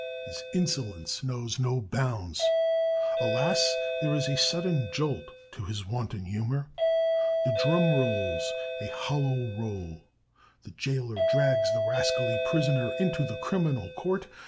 His insolence knows no bounds. Alas! there is a sudden jolt to his wanton humor. The drum rolls a hollow roll; the jailer drags the rascally prisoner into the criminal court.